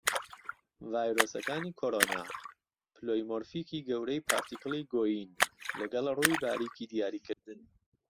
ڤایرۆسەکانی کۆڕۆنا پلۆیمۆرفیکی گەورەی پارتیکڵی گۆیین لەگەڵ ڕووی باریکی دیاریکردن.